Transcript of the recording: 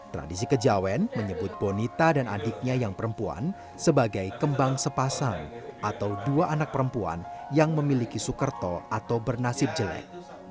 tradisi kejawen menyebut bonita dan adiknya yang perempuan sebagai kembang sepasang atau dua anak perempuan yang memiliki sukerto atau bernasib jelek